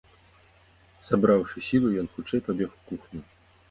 Сабраўшы сілу, ён хутчэй пабег у кухню.